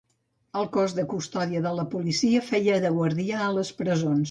El Cos de Custòdia de la Policia feia de guardià a les presons.